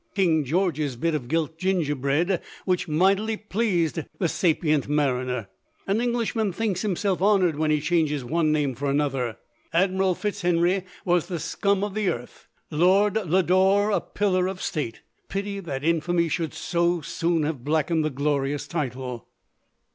King George's bit of gilt gingerbread, which mightily pleased the sapient mariner. An Englishman thinks him self honoured when he changes one name for another. Admiral Fitzhenry was the scum of the earth — Lord Lodore a pillar of state. Pity that infamy should so soon have blackened the glorious title